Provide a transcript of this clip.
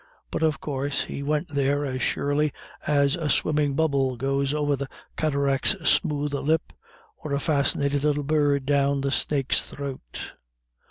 But of course he went there, as surely as a swimming bubble goes over the cataract's smooth lip, or a fascinated little bird down the snake's throat.